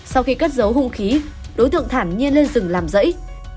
sau khi cất dấu hụt khí đối tượng thảm nhiên lên rừng làm rẫy